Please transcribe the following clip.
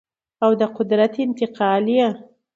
او د قدرت انتقال یې